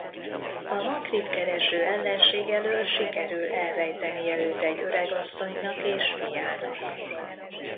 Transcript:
A makrit kereső ellenség elől sikerül elrejtenie őt egy öregasszonynak és fiának.